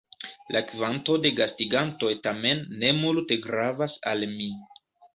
La kvanto de gastigantoj tamen ne multe gravas al mi.